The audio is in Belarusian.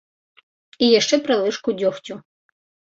І яшчэ пра лыжку дзёгцю.